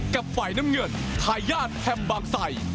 กับไฟน้ำเงินทายาทแถมบางสัย